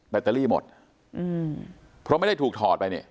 ตเตอรี่หมดอืมเพราะไม่ได้ถูกถอดไปเนี่ย